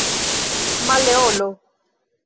Maleolo